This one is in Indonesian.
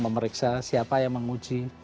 memeriksa siapa yang menguji